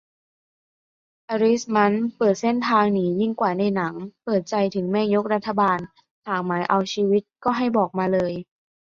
อริสมันต์เปิดเส้นทางหนียิ่งกว่าในหนัง เปิดใจถึงแม่ยกรัฐบาลหากหมายเอาชีวิตก็ให้บอกมาเลย